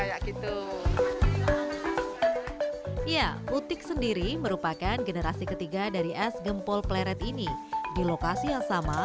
kayak gitu ya utik sendiri merupakan generasi ketiga dari es gempol pleret ini di lokasi yang sama